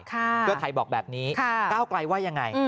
เพื่อไทยบอกแบบนี้ก้าวไกลว่ายังไง